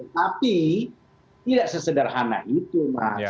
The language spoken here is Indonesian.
tapi tidak sesederhana itu mas